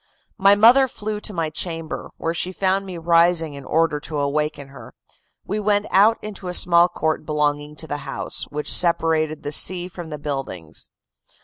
My mother flew to my chamber, where she found me rising in order to awaken her. We went out into a small court belonging to the house, which separated the sea from the buildings.